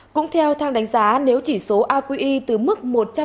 cũng theo thang đánh giá nếu chỉ số aqi từ mức một trăm linh